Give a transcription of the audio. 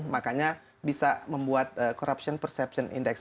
makanya bisa membuat corruption perception index